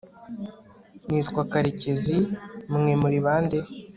Nitwa karekezi Mwe muri bande